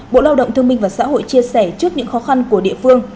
bộ lao động thương minh và xã hội chia sẻ trước những khó khăn của địa phương